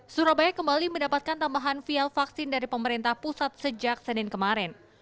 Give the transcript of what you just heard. surabaya kembali mendapatkan tambahan vial vaksin dari pemerintah pusat sejak senin kemarin